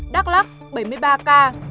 đắk lắk bảy mươi ba ca